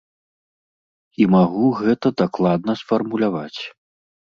І магу гэта дакладна сфармуляваць.